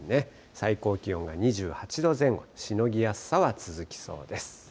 最高気温が２８度前後、しのぎやすさは続きそうです。